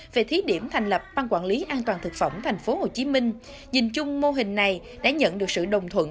về thí điểm thành lập ban quản lý an toàn thực phẩm tp hcm nhìn chung mô hình này đã nhận được sự đồng thuận